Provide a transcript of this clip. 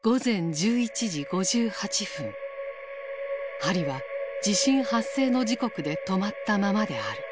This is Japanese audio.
針は地震発生の時刻で止まったままである。